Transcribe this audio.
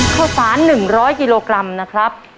ข้าวสาร๑๐๐กิโลกรัมนะครับ